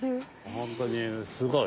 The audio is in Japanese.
ホントにすごい。